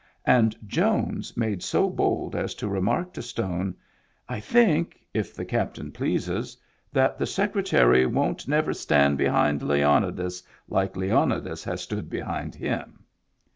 And Jones made so bold as to remark to Stone :" I think, if the captain pleases, that the Secretary won't never stand behind Leon idas like Leonidas has stood behind him."